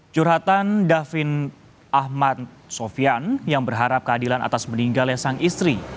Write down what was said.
curhatan davin ahmad sofian yang berharap keadilan atas meninggalnya sang istri